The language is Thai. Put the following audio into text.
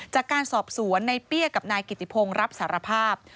จากการสอบสวนในเปี้ยกับนายกิติพงศ์รับสารภาพ